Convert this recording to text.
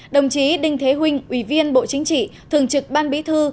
đồng chí đinh thế vinh ủy viên bộ chính trị thường trực ban bí thư